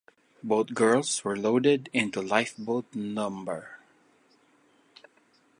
Both girls were loaded into lifeboat no.